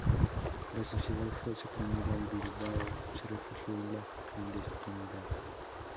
La sociedad fue suprimida y Bilbao se refugió en la clandestinidad.